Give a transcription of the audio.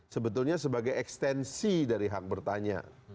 sebetulnya sebagai ekstensi dari hak bertanya